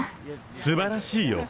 すばらしいよ。